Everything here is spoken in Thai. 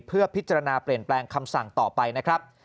เพื่อพิจารณาเปลี่ยนแปลงคำสั่งต่อไปนะครับ